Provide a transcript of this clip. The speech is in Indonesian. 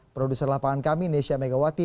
produser lapangan kami nesya megawati